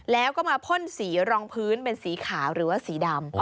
แล้วก็มาพ่นสีรองพื้นเป็นสีขาวหรือว่าสีดำ